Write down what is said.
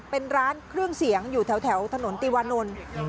เป็นร้านเครื่องเสียงอยู่แถวถนนติวานนท์